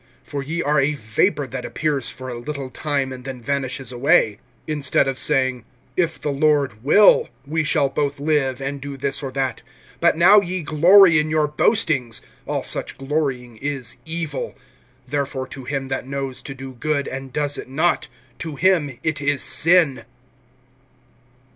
for ye are a vapor, that appears for a little time, and then vanishes away;) (15)instead of saying: If the Lord will, we shall both live, and do this or that. (16)But now ye glory in your boastings. All such glorying is evil. (17)Therefore to him that knows to do good, and does it not, to him it is sin.